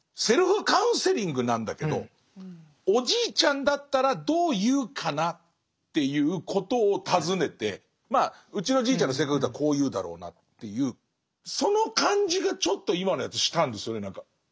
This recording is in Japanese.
セルフカウンセリングなんだけど「おじいちゃんだったらどう言うかな？」っていうことを尋ねてまあうちのじいちゃんの性格だとこう言うだろうなっていうその感じがちょっと今のやつしたんですよね何か。